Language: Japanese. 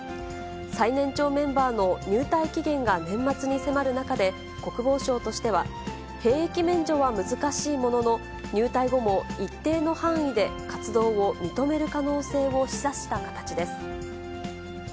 最年長メンバーの入隊期限が年末に迫る中で、国防省としては、兵役免除は難しいものの、入隊後も一定の範囲で活動を認める可能性を示唆した形です。